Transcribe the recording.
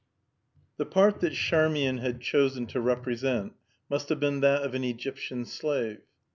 The part that Charmian had chosen to represent must have been that of an Egyptian slave.